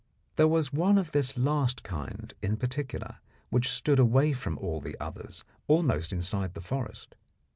There was one of this last kind in particular, which stood away from all the others almost inside the forest.